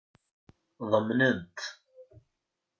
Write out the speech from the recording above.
Ḍemnen-t.